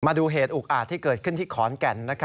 มาดูเหตุอุกอาจที่เกิดขึ้นที่ขอนแก่น